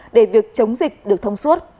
để việc chống dịch được thông suốt